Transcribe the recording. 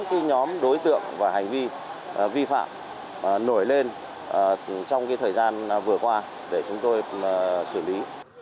các nhóm đối tượng và hành vi vi phạm nổi lên trong thời gian vừa qua để chúng tôi xử lý